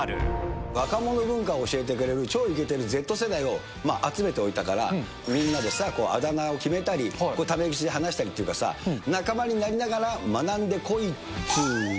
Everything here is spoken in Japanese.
若者文化を教えてくれる、超いけてるＺ世代を集めておいたから、みんなでさ、あだ名を決めたり、タメ口で話したりっていうかさ、仲間になりながら学んでこいっつーの。